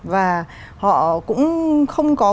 và họ cũng không có